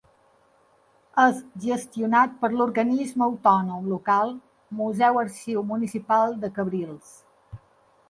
És gestionat per l'Organisme Autònom Local Museu-Arxiu Municipal de Cabrils.